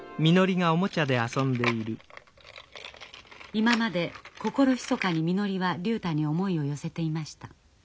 今まで心ひそかにみのりは竜太に思いを寄せていました。